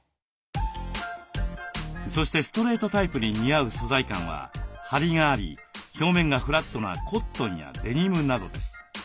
そしてストレートタイプに似合う素材感はハリがあり表面がフラットなコットンやデニムなどです。